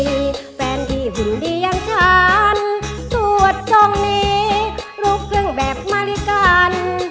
มีแฟนที่หุ่นดีอย่างฉันสวดทรงนี้ลูกเครื่องแบบมาริกัน